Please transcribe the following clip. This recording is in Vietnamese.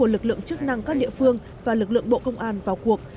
lực lượng chức năng các địa phương và lực lượng bộ công an vào cuộc